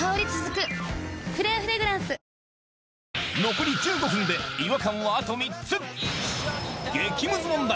残り１５分で違和感はあと３つ激ムズ問題